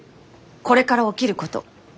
これから起きること。